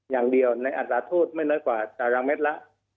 แต่ไม่เกินตรังละแม็ดละ